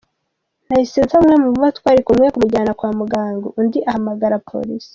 Nahise nsaba umwe mu bo twari kumwe kumujyana kwa muganga, undi ahamagara polisi.